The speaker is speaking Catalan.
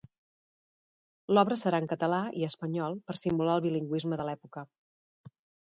L'obra serà en català i espanyol per simular el bilingüisme de l'època.